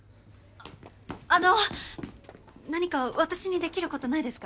あのう何か私にできることないですか？